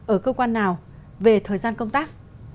ở cơ quan nào về thời gian công tác